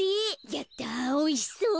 やったおいしそう。